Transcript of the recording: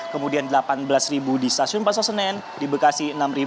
kemudian delapan belas di stasiun pasar senen di bekasi enam